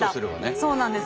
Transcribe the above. そうなんです。